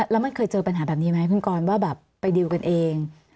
แล้วมันเคยเจอปัญหาแบบนี้ไหมคุณกรว่าแบบไปดิวกันเอง